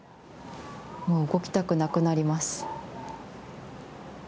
もう動きたくなくなります。